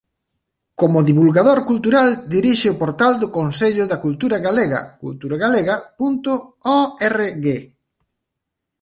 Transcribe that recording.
Como divulgador cultural dirixe o portal do Consello da Cultura Galega "culturagalega.org".